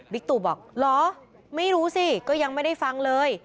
ตู่บอกเหรอไม่รู้สิก็ยังไม่ได้ฟังเลย